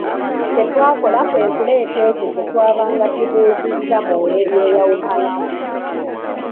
Kye twakola kwe kuleeta ekyo kye twabanga tubuuzizza mu ngeri eyawukanamu.